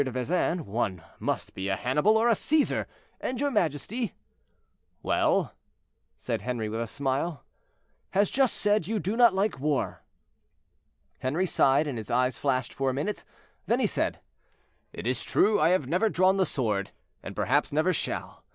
de Vesin, one must be a Hannibal or a Cæsar; and your majesty—" "Well?" said Henri, with a smile. "Has just said, you do not like war." Henri sighed, and his eyes flashed for a minute; then he said: "It is true I have never drawn the sword, and perhaps never shall.